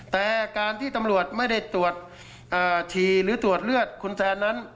แต่การที่ตำรวจไม่ได้ตรวจฉี่หรือตรวจเลือดคุณแซนนั้น